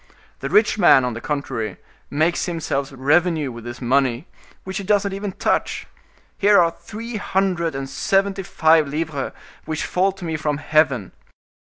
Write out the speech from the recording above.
The rich man, on the contrary, makes himself revenue with his money, which he does not even touch. Here are three hundred and seventy five livres which fall to me from heaven.